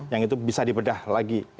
yang itu bisa dibedah lagi